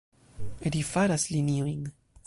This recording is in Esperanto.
Ri faras liniojn.